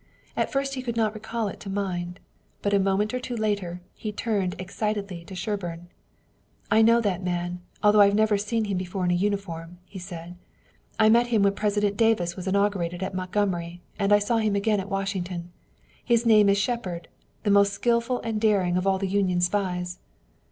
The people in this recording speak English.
At first he could not recall it to mind, but a moment or two later he turned excitedly to Sherburne. "I know that man, although I've never seen him before in a uniform," he said. "I met him when President Davis was inaugurated at Montgomery and I saw him again at Washington. His name is Shepard, the most skillful and daring of all the Union spies."